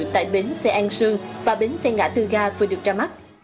tại bến xe an sương và bến xe ngã tư ga vừa được ra mắt